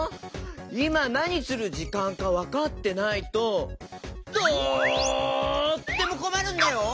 いまなにするじかんかわかってないととってもこまるんだよ？